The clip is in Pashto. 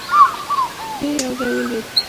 دی يو ځای ولوېد.